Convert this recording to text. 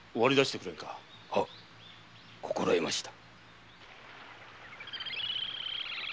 心得ました。